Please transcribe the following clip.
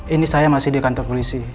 ini saya masih di kantor polisi